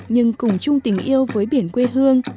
nhưng cùng chung tình yêu với biển quê hương